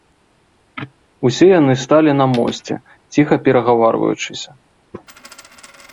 Усе яны сталі на мосце, ціха перагаварваючыся.